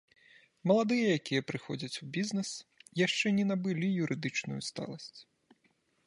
Маладыя, якія прыходзяць у бізнэс, яшчэ не набылі юрыдычную сталасць.